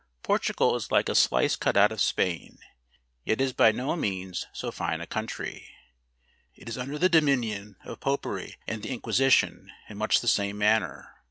Portugal is like a slice cut out of Spain, yet is by no means so fine a country. It is under the dominion of popery and the Inquisition, in much the same manner.